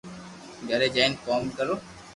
گھري جائين ڪوم ڪرو